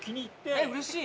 えっうれしい！